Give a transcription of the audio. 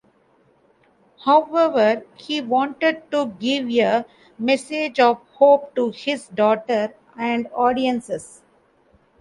However, he wanted to give a message of hope to his daughter and audiences.